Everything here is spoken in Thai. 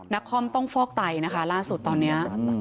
นครต้องฟอกไตล่าสุดตอนนี้